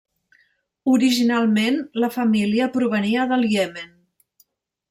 Originalment la família provenia del Iemen.